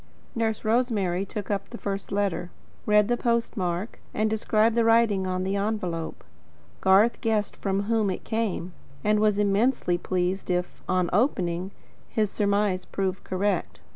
Nurse Rosemary took up the first letter, read the postmark, and described the writing on the envelope. Garth guessed from whom it came, and was immensely pleased if, on opening, his surmise proved correct.